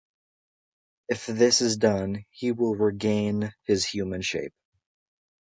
If this is done, he will regain his human shape.